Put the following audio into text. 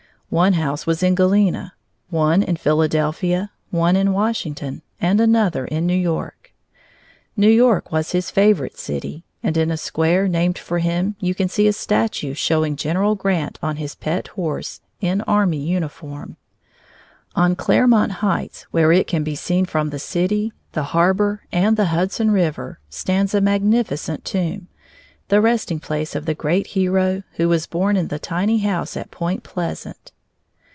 One house was in Galena, one in Philadelphia, one in Washington, and another in New York. New York was his favorite city, and in a square named for him you can see a statue showing General Grant on his pet horse, in army uniform. On Claremont Heights where it can be seen from the city, the harbor, and the Hudson River, stands a magnificent tomb, the resting place of the great hero who was born in the tiny house at Point Pleasant.